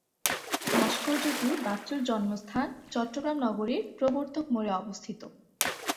ভাস্কর্যটি বাচ্চুর জন্মস্থান চট্টগ্রাম নগরীর প্রবর্তক মোড়ে অবস্থিত।